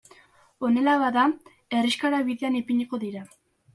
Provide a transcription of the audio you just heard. Honela bada, herrixkara bidean ipiniko dira.